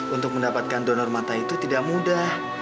untuk mendapatkan donor mata itu tidak mudah